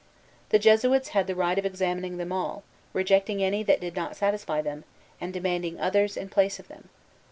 The Jesuits had the right of examining them all, rejecting any that did not satisfy them, and demanding others in place of them.